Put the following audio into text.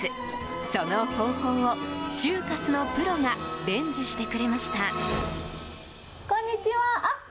その方法を、終活のプロが伝授してくれました。